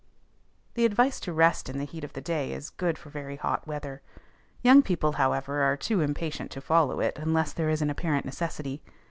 The advice to rest in the heat of the day is good for very hot weather; young people, however, are too impatient to follow it unless there is an apparent necessity.